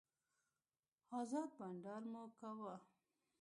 ازاد بانډار مو کاوه.